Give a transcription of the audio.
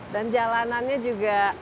dan jalanannya juga